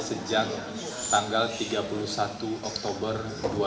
sejak tanggal tiga puluh satu oktober dua ribu dua puluh